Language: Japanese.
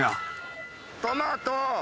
トマト。